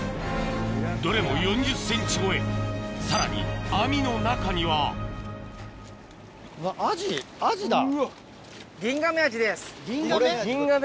どれも４０ｃｍ超えさらに網の中にはギンガメ？